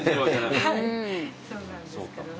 はいそうなんですけどね。